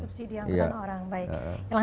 subsidi angkutan orang baik